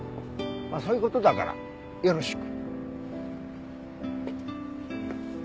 まあそういう事だからよろしく。